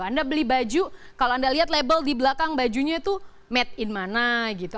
anda beli baju kalau anda lihat label di belakang bajunya itu made in mana gitu